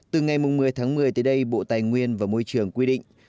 từ ngày một mươi tháng một mươi tới đây bộ tài nguyên và môi trường quy định